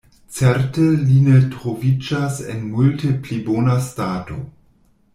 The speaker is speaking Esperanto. Certe li ne troviĝas en multe pli bona stato.